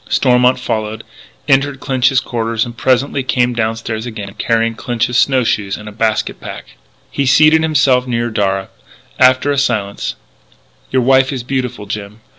Stormont followed, entered Clinch's quarters, and presently came downstairs again, carrying Clinch's snow shoes and a basket pack. He seated himself near Darragh. After a silence: "Your wife is beautiful, Jim....